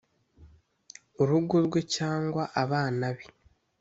urugo rwe cyangwa abana be,